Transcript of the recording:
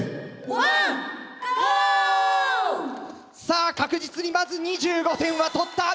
さぁ確実にまず２５点は取った。